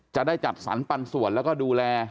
จะได้จัดสรรปันส่วนแล้วก็ดูแล